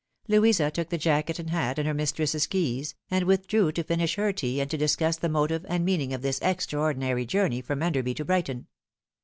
Louisa took the jacket and hat and her mistress's keys, and withdrew to finish her tea and to discuss the motive and mean ing of this extraordinary journey from Enderby to Brighton.